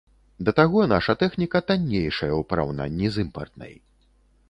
Да таго, наша тэхніка таннейшая ў параўнанні з імпартнай.